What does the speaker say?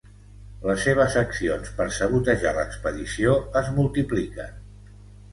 Les seves accions per sabotejar l'expedició es multipliquen.